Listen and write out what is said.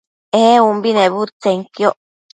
ee umbi nebudtsenquioc